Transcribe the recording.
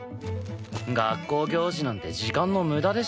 学校行事なんて時間の無駄でしょ。